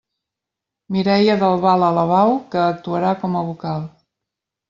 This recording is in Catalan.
Mireia del Val Alabau, que actuarà com a vocal.